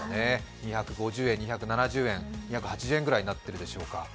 ２５０円、２７０円、２８０円くらいになっているんでしょうか。